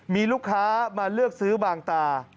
มีลูกค้ามาเลือกซื้อบางตา